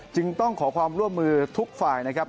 จึงต้องขอความร่วมมือทุกฝ่ายนะครับ